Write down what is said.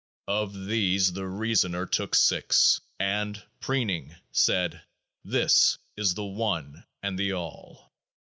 Of these the reasoner took six, and, preening, said : This is the One and the All.